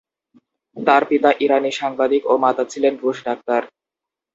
তার পিতা ইরানী সাংবাদিক ও মাতা ছিলেন রুশ ডাক্তার।